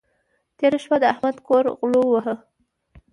تېره شپه د احمد کور غلو وواهه.